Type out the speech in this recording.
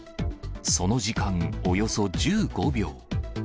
その時間およそ１５秒。